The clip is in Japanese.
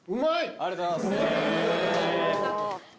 ありがとうございます。